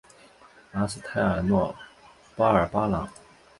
卡斯泰尔诺巴尔巴朗。